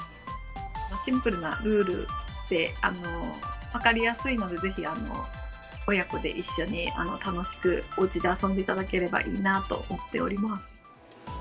シンプルなルールで、分かりやすいので、ぜひ親子で一緒に楽しくおうちで遊んでいただければいいなと思っております。